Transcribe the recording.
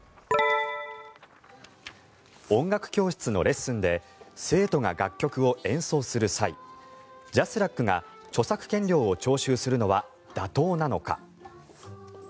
音楽教室のレッスンで生徒が楽曲を演奏する際ＪＡＳＲＡＣが著作権料を徴収するのは妥当なのか。